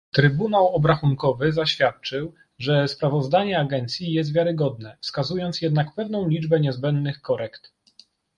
Trybunał Obrachunkowy zaświadczył, że sprawozdanie Agencji jest wiarygodne, wskazując jednak pewną liczbę niezbędnych korekt